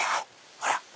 ほら！